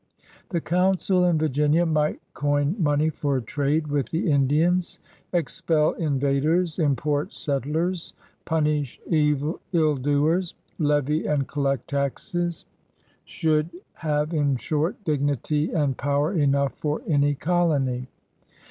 The Council in Virginia might coin money for trade with the Indians, expel invaders, import settlers, punish ill doers, levy and collect taxes — should 6 PIONEERS OF THE OLD SOUTH have, in short, dignity and power enough for any colony.